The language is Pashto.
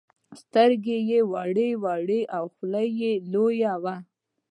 سترگې يې وړې وړې او خوله يې لويه وه.